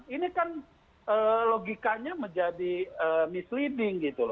ini kan logikanya menjadi misleading gitu loh